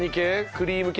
クリーム系？